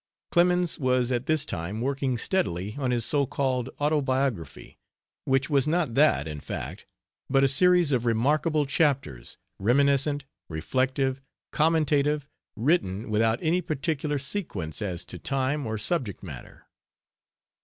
Clemens was at this time working steadily on his so called Autobiography, which was not that, in fact, but a series of remarkable chapters, reminiscent, reflective, commentative, written without any particular sequence as to time or subject matter.